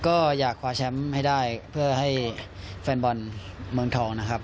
ก็อยากคว้าแชมป์ให้ได้เพื่อให้แฟนบอลเมืองทองนะครับ